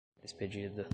expedida